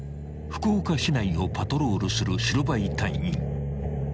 ［福岡市内をパトロールする白バイ隊員］